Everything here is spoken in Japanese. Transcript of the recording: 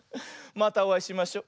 またおあいしましょ。